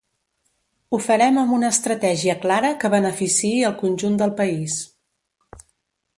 Ho farem amb una estratègia clara que beneficiï el conjunt del país.